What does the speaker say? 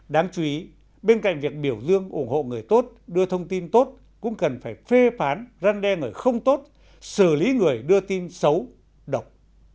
đáng chú ý bên cạnh việc biểu dương ủng hộ người tốt đưa thông tin tốt cũng cần phải phê phán răn đe người không tốt xử lý người đưa tin xấu độc